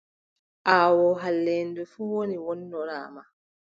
Aawoo halleende fuu woni wonnoraamaa.